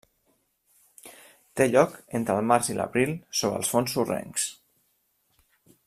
Té lloc entre el març i l'abril sobre fons sorrencs.